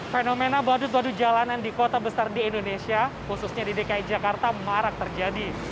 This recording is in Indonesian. fenomena badut badut jalanan di kota besar di indonesia khususnya di dki jakarta marak terjadi